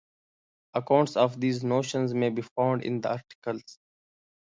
Accounts of these notions may be found in the articles.